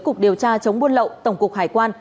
cục điều tra chống buôn lậu tổng cục hải quan